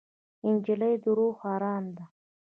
نجلۍ د روح ارام ده.